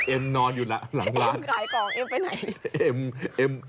เอ็มนอนอยู่ละหลังร้านเอ็มกายกองเอ็มไปไหน